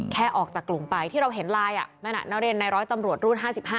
แค่ออกจากกลุ่มไปที่เราเห็นไลน์นั่นน่ะนักเรียนในร้อยตำรวจรุ่น๕๕